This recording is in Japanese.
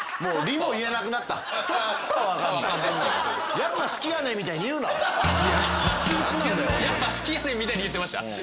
「やっぱ好きやねん」みたいに言ってました？